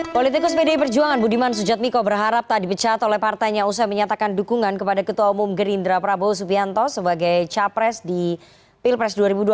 politikus pdi perjuangan budiman sujatmiko berharap tak dipecat oleh partainya usai menyatakan dukungan kepada ketua umum gerindra prabowo subianto sebagai capres di pilpres dua ribu dua puluh